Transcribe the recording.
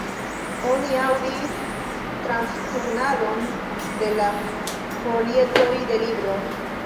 Oni aŭdis transturnadon de la folietoj de libro.